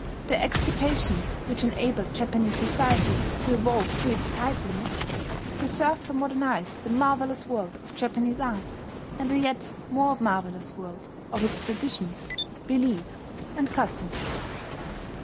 Their extirpation, which enabled Japanese society to evolve to its type limit, preserved for modern eyes the marvellous world of Japanese art, and the yet more marvellous world of its traditions, beliefs, and customs.